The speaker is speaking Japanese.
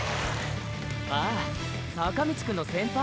ああ坂道くんの先輩。